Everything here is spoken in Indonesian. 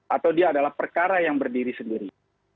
atau dia adalah perkara yang berdiri sendiri